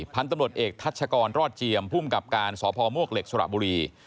พันธุ์ตำรวจเอกทัชกรรอดเจียมภูมิกับการสพมวกเหล็กสระบุรี